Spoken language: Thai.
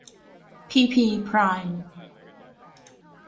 พีพี ไพร์ม